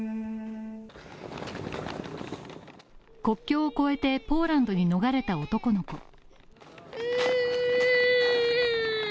国境を越えてポーランドに逃れた男の子。